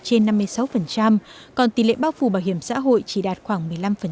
trên năm mươi sáu còn tỷ lệ bao phủ bảo hiểm xã hội chỉ đạt khoảng một mươi năm